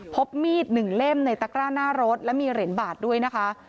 พบมีดหนึ่งเล่มในตะกร้าหน้ารถและมีเหรียญบาทด้วยนะคะ